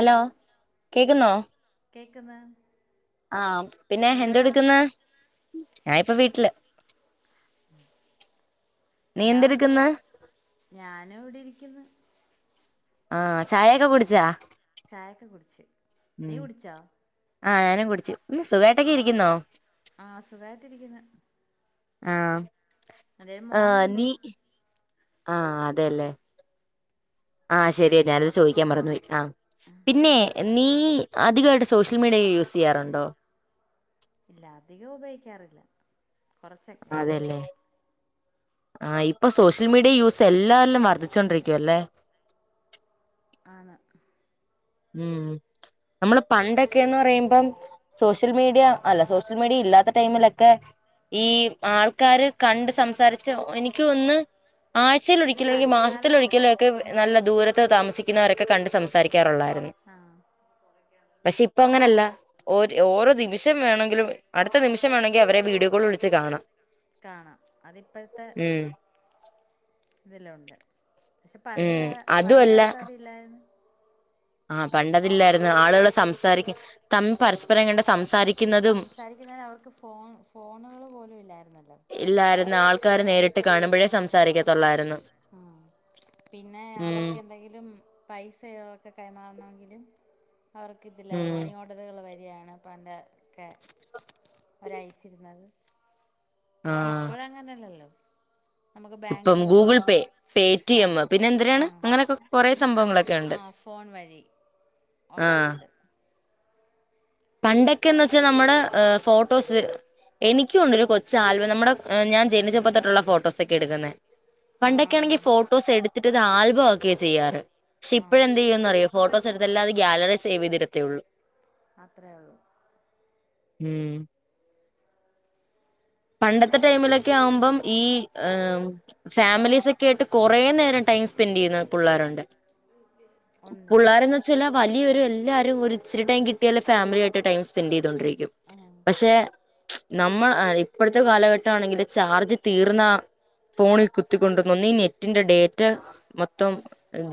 Hello കേക്കുന്നോ കേക്ക്ന്ന് ആഹ് പിന്നെ നീ എവിടാ എന്തെടുക്ക്ന്ന് ഞാൻ ഇപ്പ വീട്ടില് നീ ഞാം എന്തെടുക്കുന്ന് ഞാനും ഇവിട ഇരിക്ക്ന്ന് ആഹ് ചായയൊക്കെ കുടിച്ചാ ചായേക്ക കുടിച്ച് നീ കുടിച്ചോ ആഹ് ഞാനും കുടിച്ച്. പിന്നെ സുഖായിട്ടൊക്കെ ഇരിക്കുന്നോ ആഹ് സുഖായിട്ടിരിക്ക്ന്ന് ആഹ് ഒരു ആഹ് മോനുണ്ട് നീ ആഹ് അതെല്ലേ ആഹ് ശരിയാ ഞാനത് ചോയിക്കാൻ മറന്നുപോയി ആഹ് പിന്നെ നീ അധികായിട്ട് സോഷ്യൽ മീഡിയ യൂസ് ചെയ്യാറുണ്ടോ ഇല്ല അധികം ഉപയോഗിക്കാറില്ല കുറച്ചൊക്കെ അതെല്ലേ ആഹ് ഇപ്പൊ സോഷ്യൽ മീഡിയ യൂസ് എല്ലാരിലും വർദ്ധിച്ചോണ്ടിരിക്കുവാ അല്ലേ ആണ് ഉം നമ്മള് പണ്ടക്കേന്ന് പറയുമ്പം സോഷ്യൽ മീഡിയ അല്ല സോഷ്യൽ മീഡിയ ഇല്ലാത്ത ടൈമിലൊക്കെ ഈ ആൾക്കാര് കണ്ട് സംസാരിച്ച് എനിക്ക് തോന്ന്ന്ന് ആഴ്ചയിൽ ഇല്ല ഒരിക്കല് ല്ലെങ്കി പണ്ട് കാലത്ത് മാസത്തിലൊരിക്കലോ ഒക്കെ നല്ല ദൂര ത്ത് താമസിക്കുന്നവരക്കെ കണ്ട് സംസാരിക്കാറൊള്ളാ ആഹ് പക്ഷെ ഇപ്പ അങ്ങനെ അല്ല ഓര് ഓരോ നിമിഷം വേണെങ്കിലും അടുത്ത നിമിഷം വേണോങ്കി അവരെ വീഡിയോ കോൾ വിളിച്ച് കാണാം കാണാം അതിപ്പഴത്തെ ഉം ഇതിലൊണ്ട് പക്ഷെ പണ്ട് ഉം കാല പണ്ട് അതുമല്ല കാലത്ത് അതില്ലാരുന്നു ആഹ് പണ്ടതില്ലായിരുന്നു ആളുകൾ സംസാരിക്കും തമ്മി പരസ്പരം കണ്ട് സംസാരി സംസാരിക്കുന്നത് അവർക്ക് ഫോൺ ഫോണുകള് പോലും ഇല്ലായിരുന്നല്ലോ ഇല്ലായിരുന്നു ആൾക്കാര് നേരിട്ട് കാണുമ്പോഴേ സംസാരിക്കത്തൊള്ളായിരുന്നു ആഹ് പിന്നെ അവർക്ക് എന്തെങ്കിലും പൈസകൊക്കെ കൈമാറണങ്കിലും അവർക്ക് ഇതില്ലത ഉം മണിയോ റുകൾ വഴിയാണ് പണ്ടൊക്കെ അവരയച്ചിരുന്നത് പക്ഷെ ആഹ് ഇപ്പഴ് അങ്ങനെയല്ലല്ലോ നമുക്ക് ഇപ്പം ബാങ്കുകള് ഗൂഗിൾ വഴി പേ പേടിഎം ആഹ്‌ പിന്നെ എന്തിനാണ് ആഹ്‌ അങ്ങനെയൊക്കെ കൊറേ അങ് സംഭവങ്ങളൊക്കെ ഉണ്ട് ആ ഫോൺ വഴി ആഹ് ആളോളൊണ്ട് പണ്ടൊക്കെന്ന് വെച്ചാ നമ്മള് ഫോട്ടോസ് എനിക്കുംണ്ടരു കൊച്ചു ആൽബം നമ്മുടെ ഞാ ജനിച്ചപ്പത്തോട്ടുള്ള ഫോട്ടോസൊക്കെ എടുക്കുന്ന ആഹ് പണ്ടൊക്കെയാണെങ്കി ആഹ് ഫോട്ടോസ് എടുത്തിട്ട് ഇത് ആൽബം ആക്കെയ ചെയ്യാറ് പക്ഷെ ആഹ് ഇപ്പോഴെന്തെയാന്ന് അറിയോ ഇപ്പൊ ഫോട്ടോസ് പക്ഷെ എടുത്ത്ല്ലാരും ഗാലറീ സേവ്യ്തിടതേ ഉള്ളു അത്രേ ഉള്ളൂ ഉം പണ്ടത്തെ ടൈമിലൊക്കെ ആവുമ്പം ഈ ആ ഫാമിലീസ് ഒക്കെ ആയിട്ട് കുറേ നേരം ടൈം സ്പെൻഡ്യ്യുന്ന പിള്ളേരുണ്ട്. ആഹ് പുള്ളാരിന്ന് ചില വലിയൊരുല്ലാരും ഒരു ഇച്ചിരി ടൈം കിട്ടിയാല് ഫാമിലിയായിട്ട് ടൈം സ്പെൻഡ്യ്തോണ്ടിരിക്കും ആഹ് പക്ഷെ നമ്മ ഇപ്പോഴത്തെ കാലഘട്ടണെങ്കില് ചാർജ് തീർന്ന ഫോണിൽ കുത്തിക്കൊണ്ടുന്ന ഒന്ന് ഈ നെറ്റിന്റെ ഡേറ്റ് മൊത്തം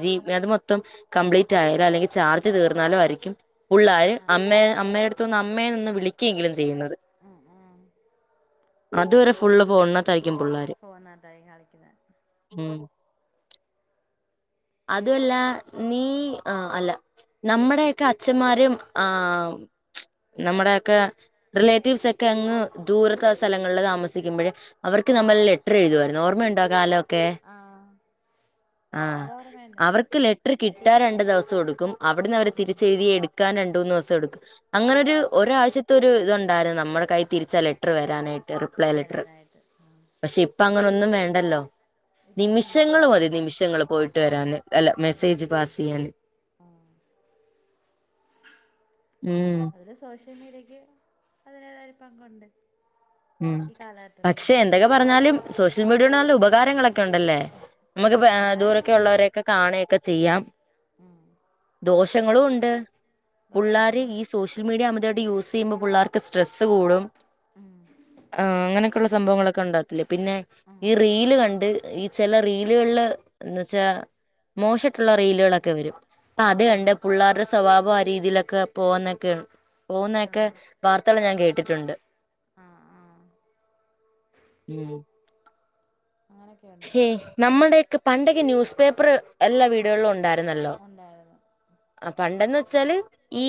ജീപ്പ് അത് മൊത്തം കംപ്ലീറ്റ് ആയാലോ അല്ലെങ്കിൽ ചാർജ് തീർന്നാലോ ആരിക്കും പുള്ളാര് ആഹ് അമ്മയെ അമ്മയുടെ അടുത്തു നിന്ന് അമ്മയെ ന്ന് വിളിക്കുകെങ്കിലും ചെയ്യുന്നത് ഉം ഉം അതുവരെ ഫുള്ള് ഫോൺണ്ണിത്തായിരിക്കും പിള്ളോര് ഫോണതായി കളിക്കുന്നെ ഉം അതു അല്ല നീ ആഹ് അല്ല നമ്മുടെയൊക്കെ അച്ഛന്മാരും ആഹ്‌ നമ്മുടെയൊക്കെ റിലേറ്റീവ്സ് ഒക്കെ അങ്ങ് ദൂരത്തെ സ്ഥലങ്ങളിൽ താമസിക്കുമ്പഴ് അവർക്ക് ആഹ് നമ്മൾ ലെറ്റർ എഴുതുവായിരുന്നു ഓർമ്മയുണ്ടോ കാലം ആഹ്‌ ആഹ് അത അവർക്ക് ലെറ്റർ കിട്ടാൻ രണ്ട് ദിവസം എടുക്കും അവിടുന്ന് അവര് ഉം തിരിച്ചെഴുതി എടു ക്കാൻ രണ്ട് മൂന്നൂസം എടുക്കും അങ്ങനെ ഒരു എടുക്കും ഒരാഴ്ച്ച ഇത്തൊരു ഇതുണ്ടായിരുന്നു നമ്മുടെ കൈ തിരിച് ലെറ്റർ വരാനായിട്ട് അപ്ലൈ ലെറ്റർ വരാനായിട്ട് ഉം പക്ഷെ ഇപ്പ അങ്ങനൊന്നും വേണ്ടല്ലോ ഇപ്പം അങ്ങനൊന്നും നിമിഷങ്ങൾ വേണ്ട മതി നിമിഷങ്ങൾ പോയിട്ട് വരാന് അല്ല മെസ്സേജ് പാസ് റിയലി ഉം ഉം അതിൽ സോഷ്യൽ മീഡിയക്ക് അതിന്റേതായൊരു പങ്കുണ്ട്. ഉം ഈ കാലഘട്ടത്തിൽ പക്ഷെ എന്തൊക്കെ പറഞ്ഞാലും സോഷ്യൽ മീഡിയോണ്ട് നല്ല ഉപകാരങ്ങളൊക്കെ ഒണ്ടല്ലേ ആ നമുക്ക് ഇപ്പ ഏഹ് ദൂരൊക്കെ ഉപകാരങ്ങളുണ്ട് ഒള്ളവരെയൊക്കെ കാണുയൊക്കെ ചെയ്യാം ഉം ദോഷങ്ങളുണ്ട് ദോഷങ്ങളും പുള്ളാര് ഈ ഉണ്ട് സോഷ്യ സോഷ്യൽ മീഡിയ അമിതായിട്ട് യൂസ്യ്യുമ്പ പിള്ളേർക്ക് സ്‌ട്രെസ് കൂടും ഉം ആഹ്‌ അങ്ങനൊക്കൊള്ള സംഭവങ്ങളൊക്കെണ്ടതില് പിന്നെ ഉം ഈ റീല് കണ്ട് ഈ ചെല റീലുകളില് എന്ന് ച്ചാ മോശട്ടുള്ള റീലുകളൊക്കെ വരും അപ്പ അത് കണ്ട് ഉണ്ട് പുള്ളാരുടെ സ്വഭാവം ആ രീതീലക്ക പോന്നൊക്കെ ആ പോന്നൊക്കെ വാർത്തകൾ ഞാൻ കേട്ടിട്ടുണ്ട്. ആ ആ ഉം അങ്ങനെക്കെ ഹ് നമ്മുടെക്കെ പണ്ടൊക്കെ ന്യൂസ് പേപ്പർ എല്ലാ വീടുകളിലും ഉണ്ടായിരുന്നല്ലോ ഉണ്ടായിരുന്നു ആഹ് പണ്ടെന്ന് വെച്ചാല് ഈ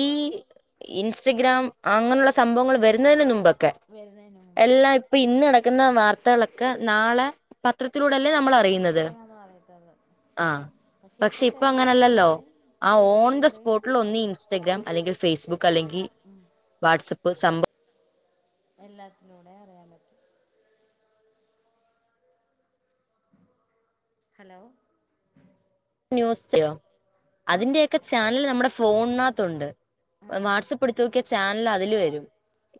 ഇൻസ്റ്റഗ്രാം അങ്ങനെയുള്ള സംഭവങ്ങൾ വരുന്നേന് നുമ്പ് ക്കെ വരുന്നതിന് മുമ്പ് എല്ലാം ഇപ്പൊ ഇന്ന് നടക്കുന്ന വാർത്തകളൊക്കെ നാളെ പത്രത്തിലൂടെല്ലേ നമ്മൾ അറിയുന്നത് പത്രത്തിലൂടെ നമ്മൾ അറിയത്തുള്ളൂ ആഹ് പക്ഷെ ഇപ്പം ഇപ്പൊ അങ്ങനല്ലല്ലോ ടെലിവിഷനിലൂടെയും അ ആ ഓൺ ദ റേഡിയോയിലൂടെയും സ്പോട്ടിൽ ഒന്ന് ഇൻസ്റ്റഗ്രാം അല്ലെങ്കി ഫേസ്ബുക്ക് അല്ലെങ്കി ഉം വാട്സ്ആപ്പ് സംഭ എല്ലാത്തിലൂടെ അറിയാൻ പറ്റും ഹലോ ന്യൂസ്‌ [unintelligible] ഏ അതിന്റെയൊക്കെ ചാനൽ നമ്മുടെ ഫോൺനാത്തുണ്ട്. ആഹ് വാട്സപ്പ് എടുത്ത് നോക്കിയ ചാൻല് അതില് വരും.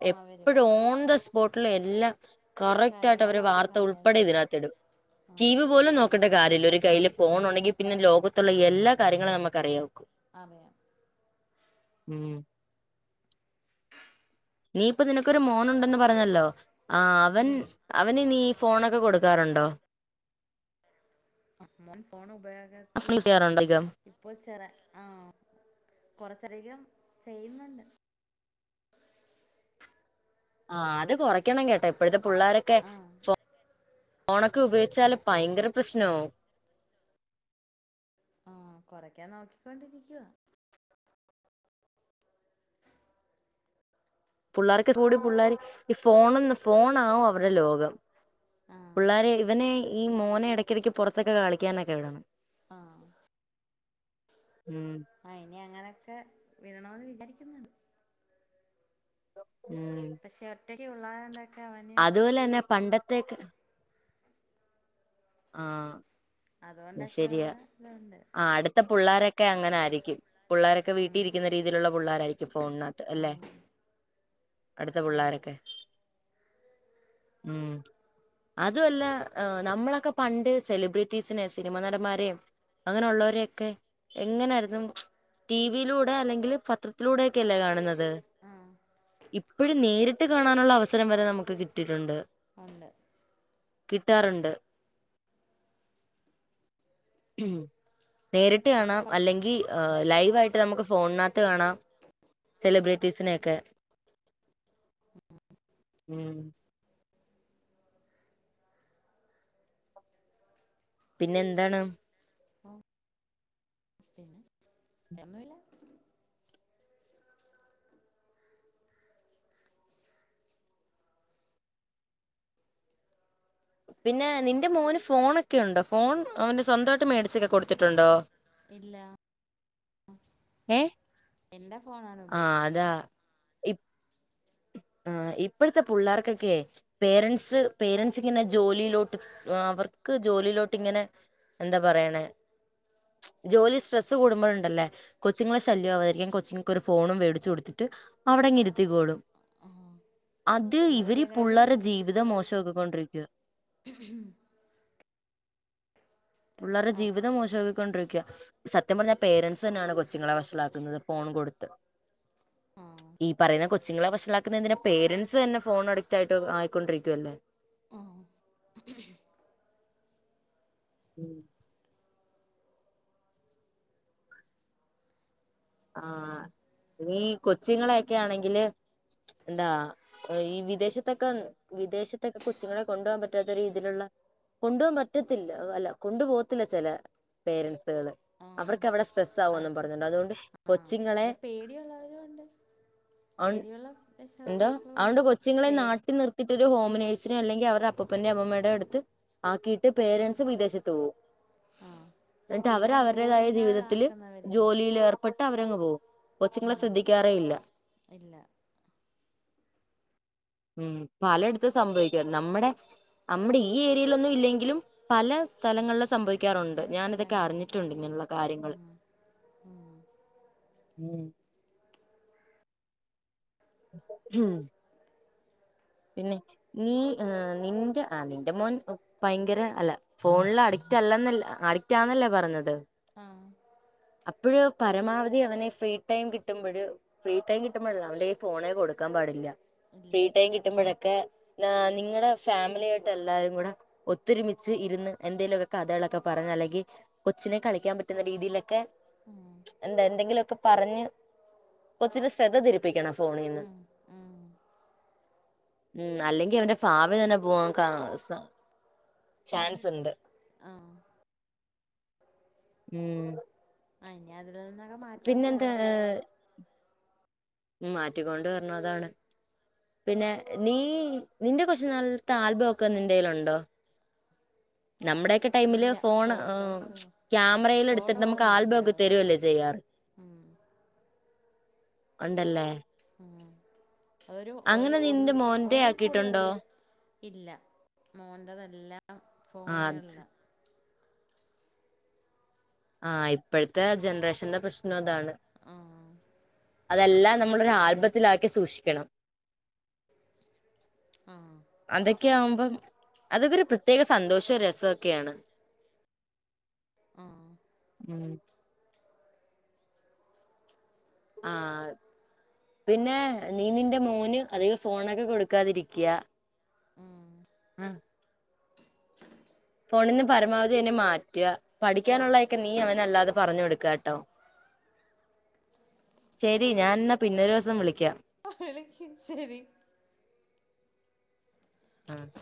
ആഹ് വരും എപ്പഴും ഓൺ ദ സ്പോട്ടിൽ എല്ലാം കറക്റ്റ് ആയിട്ട് കാര്യങ്ങൾ അവര് വാർത്ത നമുക്കറിയാം ഉൾപ്പെടെ സാർ ഇതിനാത്തിടും. ആഹ് ടീവി പോലും നോക്കണ്ട കാര്യല്ല. ഒരു കയ്യില് ഫോൺ ഇല്ല ഉണ്ടെങ്കി പിന്നെ ലോകത്തുള്ള എല്ലാ കാര്യങ്ങളും നമുക്ക് അറിയും. അറിയാം ഉം നീ ഇപ്പൊ നിനക്കൊരു മോനുണ്ടെന്ന് പറഞ്ഞല്ലോ ആ അവൻ ഉം അവന് നീ ഫോണൊക്കെ കൊടുക്കാറുണ്ടോ? മോൻ ഫോൺ ഉപയോഗത്തിൽ യൂസ് ചെയ്യാറുണ്ടോ അധികം ഇപ്പോൾ ചെറ ആഹ് കൊറച്ചധികം ചെയ്യ്ന്ന് ണ്ട് ആഹ് അത് കൊറക്കണം കേട്ടോ. ഇപ്പോഴത്തെ പിള്ളാരൊക്കെ ആഹ് ഫോ ണൊക്കെ ഉപയോഗിച്ചാല് ഭയങ്കര പ്രശ്നാവും. ആഹ് കൊറയ്ക്കാൻ നോക്കിക്കൊണ്ടിരിക്കുവ. പിള്ളേർക്ക് കൂടി പിള്ളേർ ഈ ഫോണന്ന് ഫോണാവും അവരെ ലോകം. ആഹ് പിള്ളാരെ ഇവനെ ഈ മോനെ എടക്കിടയ്ക്ക് പൊറത്തൊക്കെ കളിക്കാനൊക്കെ വിടണം. ആഹ് ഉം ആഹ് ഇനി അങ്ങനെയൊക്കെ വേണോന്ന് വിചാരിക്കുന്നു ഉം പക്ഷെ ഒറ്റയ്ക്ക് [unintelligible] അതുപോലെന്നെ പണ്ടത്തേക്ക് ആഹ് അതുകൊണ്ടൊക്കെയുള്ള ഇതുണ്ട്. ത്തെ പിള്ളാരൊക്കെ അങ്ങനാരിക്കും. പിള്ളോരൊക്കെ വീട്ടിരിക്കുന്ന രീതിയിലുള്ള പിള്ളോരാ ക്കും. ഫോൺനാത്ത് അല്ലെ അടുത്ത ആണ് പിള്ളോരൊക്കെ ഉം അതു അല്ല നമ്മളൊക്കെ പണ്ട് സെലിബ്രിറ്റീസിനിം സിനിമ നടന്മാരേം അങ്ങനെ ഉള്ളവരൊയെക്കെ എങ്ങനാര്ന്നു ടി വിയിലൂടെ അല്ലെങ്കില് പത്രത്തിലൂടെ ഒക്കെ അല്ലേ കാണ്ന്നത്. ആഹ് ഇപ്പഴും നേരിട്ട് കാണാനുള്ള അവസരം വരെ നമുക്ക് കിട്ടിയിട്ടുണ്ട്. ഒണ്ട്. കിട്ടാറുണ്ട്. നേരിട്ട് പക്ഷെ കാണാം പ അല്ലെങ്കി ലൈവായിട്ട് നമുക്ക് ഫോണിനാത്ത് കാണാം. സെലിബ്രിറ്റീസിനൊക്കെ ഉം പിന്നെ എന്താണ്. ഒന്നുല്ല പിന്നെ നിന്റെ മോന് ഫോണൊക്കെയൊണ്ടോ. ഫോൺ അവന്റെ സ്വന്തമായിട്ട് മേട്ച്ചൊക്കെ കൊടുത്തിട്ടുണ്ടോ? ഇല്ല ഏഹ് എന്റെ ഫോണാണ് ഉപയോഗിക്കുന്നത്. ആഹ് ഇപ്പഴ്ത്തെ പിള്ളേർക്കൊക്കെ പേരന്റ്സ് പേരൻ്റ്സ് ഇങ്ങനെ ജോലിയിലോട്ട് അവർക്ക് ജോലിയിലോട്ട് ഇങ്ങനെ എന്താ പറയണെ ജോലി സ്ട്രെസ്സ് കൂടുമ്പോഴുണ്ടല്ലേ കൊച്ചിങ്ങളെ ശല്യം ആവാതിരിക്കാൻ കൊച്ചിങ്ങൾക്ക് ഒരു ഫോണും വേടിച്ചു കൊടുത്തിട്ട് അവിടെ അങ്ങ് ഇരുത്തിക്കോളും ആഹ് അത് അങ്ങനെ ഇവര് ഈ ചെയ്യുന്നവരും പുള്ളേരെ ജീവിതം മോശാക്കിക്കൊണ്ടിരിക്കുവാ ഉം [unintelligible] പുള്ളാരുടെ ആഹ് ജീവിതം മോശമാക്കിക്കൊണ്ടിരിക്കാ സത്യം പറഞ്ഞാ പേരൻ്റ്സ് തന്നെയാണ് കൊച്ചുങ്ങളെ വഷളാക്കുന്നത് ഫോൺ കൊടുത്ത് ആഹ് ഈ പറയുന്ന കൊച്ചിങ്ങളെ വഷളാക്കുന്നതെന്തിനാ പേരൻസ് തന്നെ ഫോൺ അഡിക്റ്റ് ആയിട്ട് ആയിക്കൊണ്ടിരിക്കുവല്ലേ ഉം ഉം ആഹ് [unintelligible] കൊച്ചുങ്ങളെയൊക്കെ ആണെങ്കില് എന്താ ഈ വിദേശത്തൊക്കെ വിദേശത്തൊക്കെ കൊച്ചുങ്ങളെ കൊണ്ടുപോകാൻ പറ്റാത്ത രീതിയിലുള്ള കൊണ്ടുപോകാൻ പറ്റത്തില്ല അല്ല കൊണ്ടു പോകത്തില്ല ചെല പേരൻസുകള് ആഹ് അവർക്ക് അവിടെ സ്ട്രെസ് സാവോന്നും അവർക്ക് പറഞ്ഞോണ്ട് അതുകൊണ്ട് ആഹ് കൊച്ചുങ്ങളെ അല്ല പേടിയൊള്ളവരും ഒണ്ട് അത് കൊണ്ട് എന്തോ ഉണ്ട് അതൊണ്ട് കൊച്ചുങ്ങളെ പേടി നാട്ടി നിർത്തിട്ടൊരു ഹോം നേഴ്‌സി അല്ലെങ്കി അവരുടെ അപ്പൂപ്പൻ്റേം അമ്മൂമ്മയുടെ അടുത്ത് ആക്കിയിട്ട് പേരൻ്റ്സ് വിദേശത്ത് പോവും ആഹ് എന്നിട്ട് അവര് പിന്നെ അവരുടേതായ ജീവിതത്തില് ബോർഡിങ്ങുകളാക്കുന്നവരില്ലേ ജോലിയിലേർ പെട്ട് അവരങ്ങ് പോകും കൊച്ചുങ്ങളെ ശ്രദ്ധിക്കാറേ ഇല്ല ഇല്ല ഉം പലയിടത്തും സംഭവിക്കും അത് നമ്മടെ നമ്മടെ ഈ ഏരിയയിലൊന്നും ഇല്ലെങ്കിലും പല സ്ഥലങ്ങളിലും സംഭവിക് ക്കാറുണ്ട് വേറെ ഞാന് ഇതൊക്കെ സ്ഥലങ്ങളിൽ അറിഞ്ഞിട്ടുണ്ട് ഇങ്ങനെയുള്ള കാര്യങ്ങള് ഉം ഉം പിന്നെ നീ ആഹ് നിന്റെ ആഹ് നിന്റെ മോൻ ഭയങ്കര അല്ല ഫോണില് അഡിക്റ്റ് അല്ലന്നല്ല അഡിക്റ്റ് ആന്നല്ലേ പറഞ്ഞത് ആഹ് അപ്പഴ് പരമാവധി അവനെ ഫ്രീ ടൈം കിട്ടുമ്പഴ് ഫ്രീ ടൈം കിട്ടുമ്പഴല്ല അവന്റെ കൈയില് ഫോണെ കൊടുക്കാൻ പാടില്ലാ ഇല്ല ഫ്രീ ടൈം കിട്ട് ക്കെ നിങ്ങടെ ഫാമിലി ആയിട്ട് എല്ലാരും കൂടെ ഒത്തൊരുമിച്ച് ഇരുന്ന് എന്തേലുവൊക്കെ കഥകളൊക്കെ പറഞ്ഞ് അല്ലെങ്കി കൊച്ചിനെ കളിക്കാൻ പറ്റുന്ന രീതിയിലൊക്കെ എന്താ എന്തെങ്കിലുവൊക്കെ പറഞ്ഞ് കൊച്ചിൻ്റെ ശ്രദ്ധ തിരിപ്പിക്കണം ഫോണീന്ന് ഉം ഉം ഉം അല്ലെങ്കി അവന്റെ ഫാവി തന്നെ പോ കാ സാ ചാൻസ് ഇണ്ട് ആഹ് ഉം ഞാ അതിൽ നിന്നൊക്കെ മാറ്റിക്കൊണ്ട് പിന്നെന്താ വരണം ഉം മാറ്റിക്കൊണ്ട് വരണം അതാണ് പിന്നെ നീ നിന്റെ കൊച്ച് നാളത്തെ ആൽബൊക്കെ നിൻ്റെലുണ്ടോ? നമ്മടെക്കെ ടൈമില് ഇല്ല ഫോൺ ഏഹ് ഫോട്ടോസ് ക്യാമറയിൽ എടുത്തിട്ട് ഫോട്ടോകൾ നമുക്ക് മാത്രമേ ആൽബൊക്കെ ഉള്ളൂ തരുവല്ലേ ചെയ്യാറ് ഉം ഒണ്ടല്ലേ? ഉം ഒരു ഒരു ഒ നിന്റെ മോന്റെ ഒന്നിൽ ആക്കിയിട്ടുണ്ടോ കൂടുതലന്ന് ഇല്ല മോൻ്റെതെല്ലാം ആ അത്- ഫോണുകളിലാ ആഹ ഇപ്പഴത്തെ ജനറേഷന്റെ പ്രശ്നം അതാണ് ആഹ് അതെല്ലാം നമ്മളൊരാൽബത്തിലാക്കി സൂക്ഷിക്കണം ആഹ് അതൊക്കെയാവുമ്പം അതൊക്കെ ഒരു പ്രത്യേക സന്തോഷം രസമൊക്കെയാണ് ആഹ് ഉം. ആഹ് പിന്നെ നീ നിന്റെ മോന് അധികം ഫോണൊക്കെ കൊടുക്കാതിരിക്കാ ഉം ഉം ഫോണിന്ന് പരമാവധി ന്നെ മാറ്റുക പഠിക്കാനുള്ളതൊക്കെ നീ അവനല്ലാതെ പറഞ്ഞു കൊടുക്കുക ട്ടോ ശരി ഞാൻ ന്നാ പിന്നൊരു ദിവസം വിളിക്കാം വിളിക്ക് ശരി ആഹ്